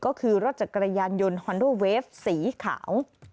ก็คือรถจักรยานยนต์ฮอนโดเวฟสีขาว